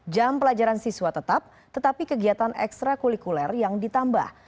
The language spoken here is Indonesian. jam pelajaran siswa tetap tetapi kegiatan ekstra kulikuler yang ditambah